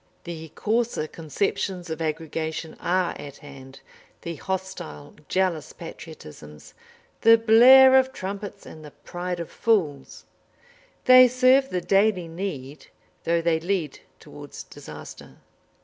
The coarser conceptions of aggregation are at hand, the hostile, jealous patriotisms, the blare of trumpets and the pride of fools; they serve the daily need though they lead towards disaster.